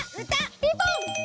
ピンポン！